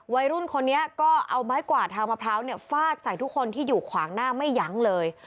วัยรุ่นคนนี้ก็เอาไม้กวาดทางมะพร้าวฟาดใส่ทุกคนที่อยู่ขวางหน้าไม่ยั้งเลย